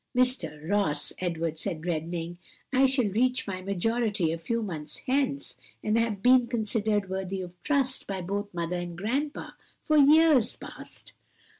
"Mr. Ross," Edward said, reddening, "I shall reach my majority a few months hence, and have been considered worthy of trust by both mother and grandpa, for years past."